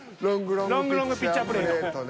ロングロングピッチャープレート。